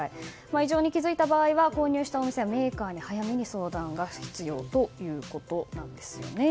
異常に気付いた場合は購入したお店やメーカーに早めに相談が必要ということなんです。